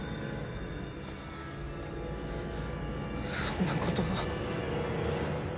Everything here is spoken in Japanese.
そんなことが。